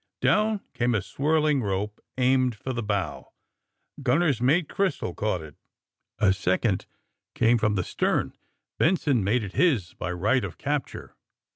Down came a swirling rope, aimed for the bow. Gunner ^s Mate Crystal caught it, A sec ond came for the stern. Benson made it his by right of capture.